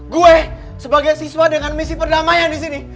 gue sebagai siswa dengan misi perdamaian di sini